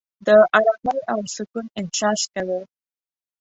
د آرامۍ او سکون احساس کوې.